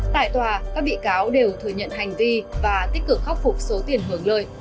tại tòa các bị cáo đều thừa nhận hành vi và tích cực khắc phục số tiền hưởng lợi